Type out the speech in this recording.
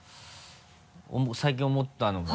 最近思ったのが。